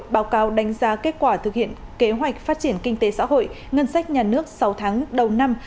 báo cáo đánh giá kết quả thực hiện kế hoạch phát triển kinh tế xã hội ngân sách nhà nước sáu tháng đầu năm